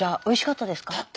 おいしかったですか？